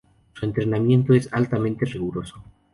Su entrenamiento es altamente riguroso.